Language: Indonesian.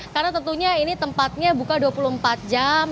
karena tentunya ini tempatnya buka dua puluh empat jam